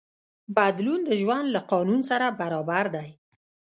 بدلون د ژوند له قانون سره برابر دی.